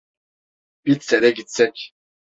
Bitse de gitsek...